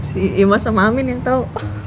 si ima sama amin yang tahu